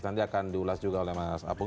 nanti akan diulas juga oleh mas apung